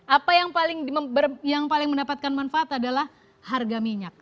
apa yang paling mendapatkan manfaat adalah harga minyak